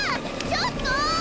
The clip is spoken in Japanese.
ちょっと！